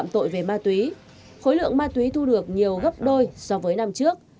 đối với ma túy khối lượng ma túy thu được nhiều gấp đôi so với năm trước